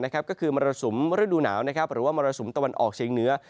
ก็คือมรสุมฤดูหนาวหรือว่ามรสุมตะวันออกเชียงเหนือ